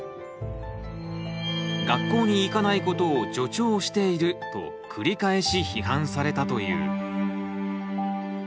「学校に行かないことを助長している」と繰り返し批判されたという。